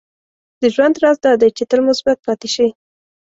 • د ژوند راز دا دی چې تل مثبت پاتې شې.